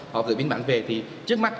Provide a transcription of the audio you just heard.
hoặc dự biến bản về thì trước mắt công ty